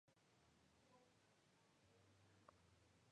Se ubican generalmente en las selvas bajas y bosques montanos.